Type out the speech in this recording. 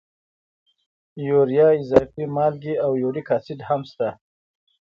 یوریا، اضافي مالګې او یوریک اسید هم شته.